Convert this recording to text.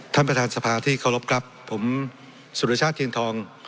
ท่านประธานสภาที่เคารพครับผมสุรชาติเทียนทอง